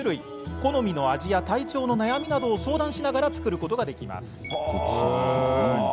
好みの味や体調の悩みなどを相談しながら作ることができます。